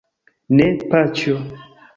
Ne, paĉjo.